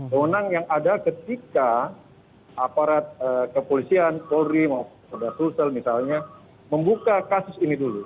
wewenang yang ada ketika aparat kepolisian folder social misalnya membuka kasus ini dulu